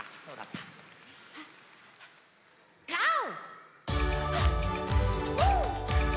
ゴー！